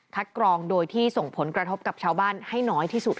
กรองโดยที่ส่งผลกระทบกับชาวบ้านให้น้อยที่สุด